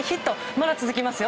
まだ続きますよ。